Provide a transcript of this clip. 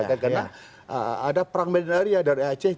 karena ada perang medan area dari aceh